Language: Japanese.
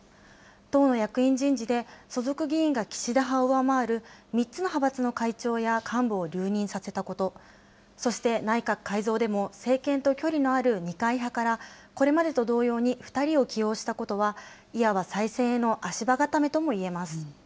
党の役員人事で所属議員が岸田派を上回る３つの派閥の会長や幹部を留任させたこと、そして内閣改造でも、政権と距離のある二階派から、これまでと同様に２人を起用したことは、いわば再選への足場固めともいえます。